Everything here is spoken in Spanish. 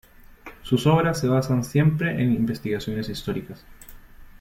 Sus obras se basan siempre en investigaciones históricas.